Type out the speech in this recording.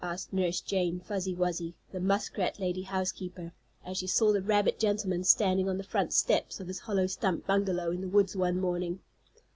asked Nurse Jane Fuzzy Wuzzy, the muskrat lady housekeeper, as she saw the rabbit gentleman standing on the front steps of his hollow stump bungalow in the woods one morning.